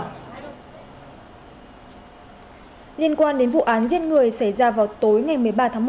nhiên quan đến vụ án giết người xảy ra vào tối ngày một mươi một tháng một